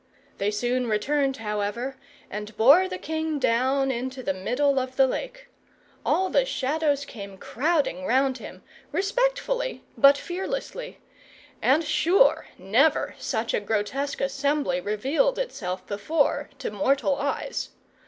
They soon returned, however, and bore the king down into the middle of the lake. All the Shadows came crowding round him, respectfully but fearlessly; and sure never such a grotesque assembly revealed itself before to mortal eyes.